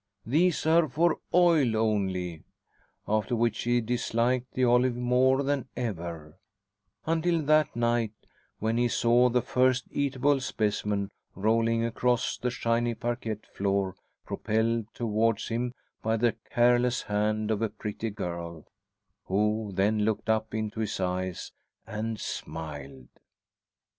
"These are for oil only." After which he disliked the olive more than ever until that night when he saw the first eatable specimen rolling across the shiny parquet floor, propelled towards him by the careless hand of a pretty girl, who then looked up into his eyes and smiled.